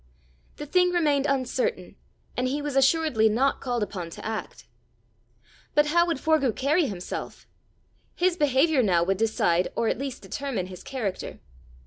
The thing remained uncertain, and he was assuredly not called upon to act! But how would Forgue carry himself? His behaviour now would decide or at least determine his character.